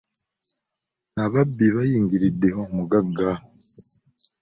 Ababbi baayingiridde omugagga!